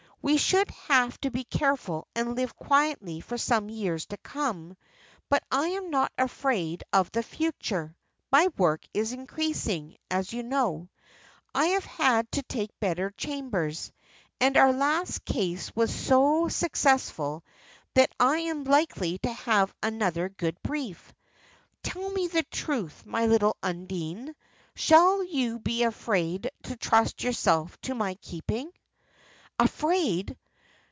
We should have to be careful and live quietly for some years to come, but I am not afraid of the future. My work is increasing, as you know. I have had to take better chambers, and our last case was so successful that I am likely to have another good brief. Tell me the truth, my little Undine. Shall you be afraid to trust yourself to my keeping?" Afraid!